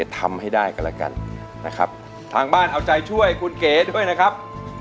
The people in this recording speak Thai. ทำให้ได้กันแล้วกันนะครับทางบ้านเอาใจช่วยคุณเก๋ด้วยนะครับ